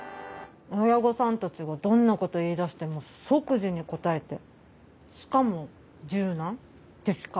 親御さんたちがどんなこと言いだしても即時に応えてしかも柔軟的確。